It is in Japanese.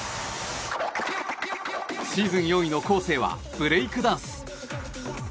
シーズン４位のコーセーはブレイクダンス。